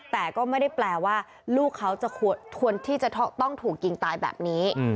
แต่ก็ไม่ได้แปลว่าลูกเขาจะควรที่จะต้องถูกยิงตายแบบนี้